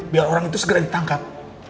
biar orang itu segera ditangkap